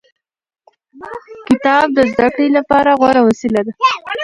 کتاب د زده کړې لپاره غوره وسیله ده.